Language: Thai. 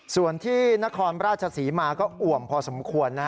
ส่วนที่นครระดาษสีมาก็อุ่มพอสมควร